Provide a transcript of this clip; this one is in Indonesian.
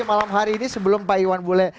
malam hari ini sebelum pak iwan bule